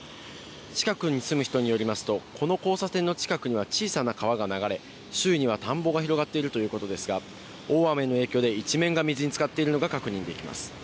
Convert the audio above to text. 近くに住む人によりますと、この交差点の近くには小さな川が流れ、周囲には田んぼが広がっているということですが、大雨の影響で一面が水につかっているのが確認できます。